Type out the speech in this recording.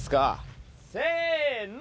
せの！